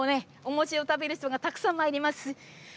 お餅を食べる人がたくさんおります。